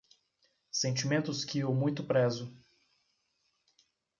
Sentimentos que eu muito prezo.